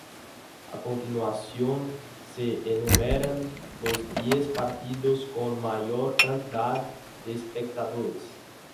A continuación se enumeran los diez partidos con mayor cantidad de espectadores.